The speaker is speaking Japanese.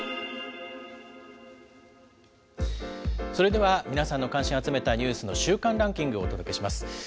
それでは皆さんの関心を集めたニュースの週間ランキングをお届けします。